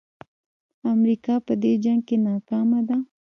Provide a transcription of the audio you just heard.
امریکا په دې جنګ کې ناکامه ده.